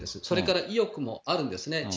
それから意欲もあるんですね。